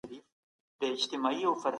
د پرمختیا دا پروسه له پخوا څخه روانه ده.